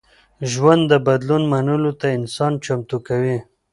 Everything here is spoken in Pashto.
ژوند د بدلون منلو ته انسان چمتو کوي.